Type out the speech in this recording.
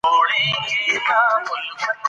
د انټرنیټ موجودیت د تعلیمي پروژو کیفیت ښه کوي.